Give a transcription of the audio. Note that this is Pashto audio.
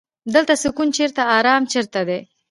دلته سکون چرته ارام چرته دی.